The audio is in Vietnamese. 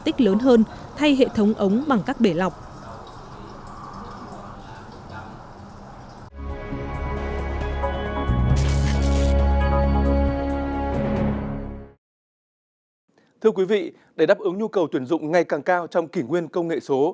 thưa quý vị để đáp ứng nhu cầu tuyển dụng ngày càng cao trong kỷ nguyên công nghệ số